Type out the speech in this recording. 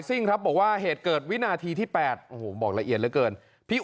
่งครับบอกว่าเหตุเกิดวินาทีที่๘โอ้โหบอกละเอียดเหลือเกินพี่